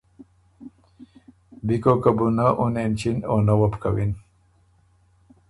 بیکوکه بو نۀ اُن اېنچِن او نۀ وه بو کَوِن۔